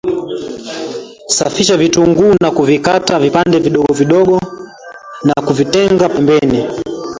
Safisha vitunguu na kuvikata vipande vidogo vidogo na kuvitenga pembeni